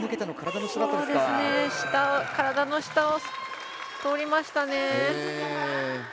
体の下を通りましたね。